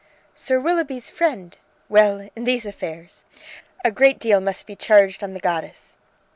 "Sir Willoughby's friend!" "Well, in these affairs! A great deal must be charged on the goddess."